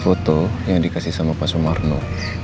foto yang dikasih sama pak sumarno